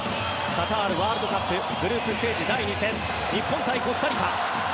カタールワールドカップグループステージ第２戦日本対コスタリカ。